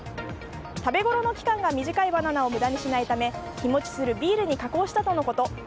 食べごろの期間が短いバナナを無駄にしないため日持ちするビールに加工したとのこと。